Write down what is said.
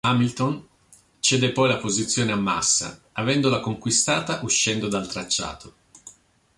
Hamilton cede poi la posizione a Massa, avendola conquistata uscendo dal tracciato.